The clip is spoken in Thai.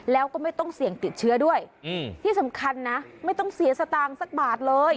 แล้วก็ไม่ต้องเสี่ยงติดเชื้อด้วยที่สำคัญนะไม่ต้องเสียสตางค์สักบาทเลย